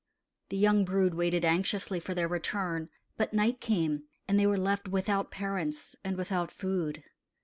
The young brood waited anxiously for their return; but night came, and they were left without parents and without food.